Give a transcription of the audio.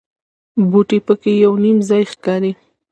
بوټي په کې یو نیم ځای ښکاري.